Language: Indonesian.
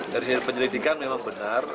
dari penyelidikan memang benar